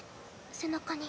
背中に。